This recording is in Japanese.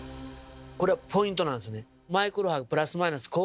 これポイントなんですね。